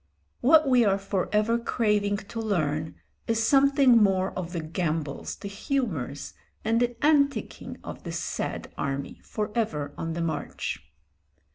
What we are for ever craving to learn is something more of the gambols, the humours, and the anticing of this sad army, for ever on the march.